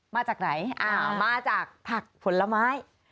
มาจากไหนมาจากผักผลไม้